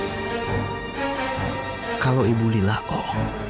berarti aida bukan anak dari bulila dan pak umar